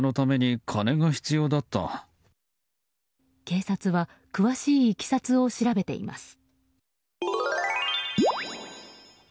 警察は詳しいいきさつを調べています。